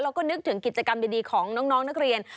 แล้วก็นึกถึงกิจกรรมดีของน้องนักเรียน